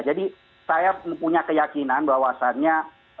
jadi saya punya keyakinan bahwasannya